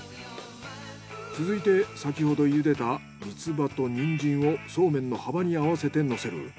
続いて先ほど茹でたミツバとニンジンをそうめんの幅に合わせてのせる。